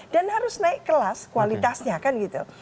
dan harus naik kelas kualitasnya kan gitu